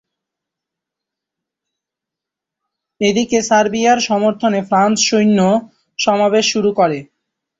এদিকে সার্বিয়ার সমর্থনে ফ্রান্স সৈন্য সমাবেশ শুরু করে।